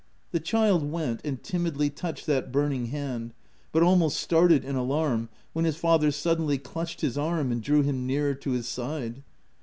The child went, and timidly touched that burning hand, but almost started in alarm, when his father sud denly clutched his arm and drew him nearer to his side.